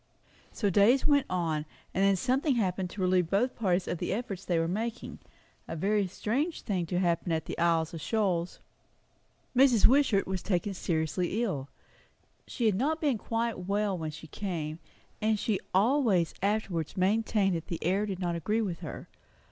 So days went on. And then something happened to relieve both parties of the efforts they were making; a very strange thing to happen at the Isles of Shoals. Mrs. Wishart was taken seriously ill. She had not been quite well when she came; and she always afterwards maintained that the air did not agree with her.